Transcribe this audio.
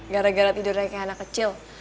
gara gara tidurnya kayak anak kecil